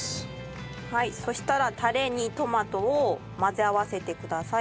はいそしたらタレにトマトを混ぜ合わせてください。